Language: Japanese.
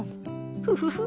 フフフッ。